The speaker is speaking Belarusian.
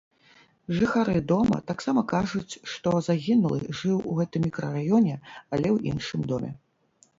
Жыхары дома таксама кажуць, што загінулы жыў у гэтым мікрараёне, але ў іншым доме.